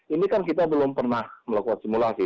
ini kan kita belum pernah melakukan simulasi